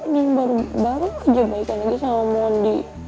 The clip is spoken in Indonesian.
neng baru aja baik lagi sama moni